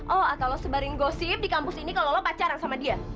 oh atau lo sebarin gosip di kampus ini kalau lo pacaran sama dia